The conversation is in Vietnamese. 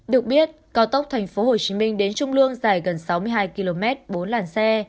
được biết cao tốc tp hcm đến trung lương dài gần sáu mươi hai km bốn làn xe